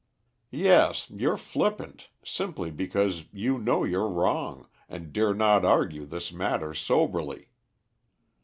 "Yes, you're flippant, simply because you know you're wrong, and dare not argue this matter soberly.